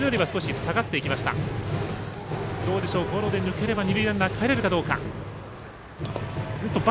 ゴロで抜ければ二塁ランナーかえれるかどうか。